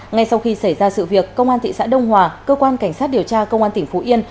ngay sau khi xảy ra sự việc công an thị xã đông hòa cơ quan cảnh sát điều tra công an tỉnh phú yên